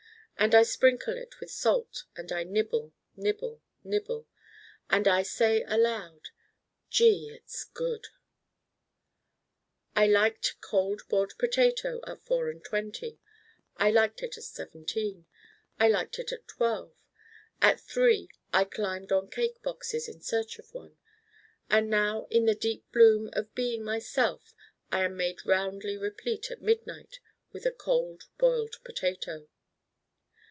And I sprinkle it with salt and I nibble, nibble, nibble. And I say aloud, 'Gee, it's good!' I liked Cold Boiled Potato at four and twenty. I liked it at seventeen. I liked it at twelve. At three I climbed on cake boxes in search of one. And now in the deep bloom of being myself I am made roundly replete at midnight with a Cold Boiled Potato.